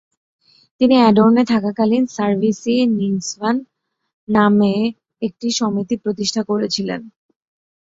তিনি এডর্নে থাকাকালীন "সার্ভিস-ই নিসভান" নামে একটি সমিতি প্রতিষ্ঠা করেছিলেন।